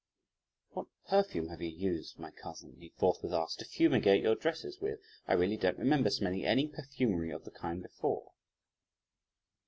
"What perfume have you used, my cousin," he forthwith asked, "to fumigate your dresses with? I really don't remember smelling any perfumery of the kind before."